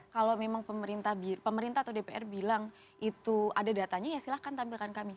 kalau memang pemerintah atau dpr bilang itu ada datanya ya silahkan tampilkan kami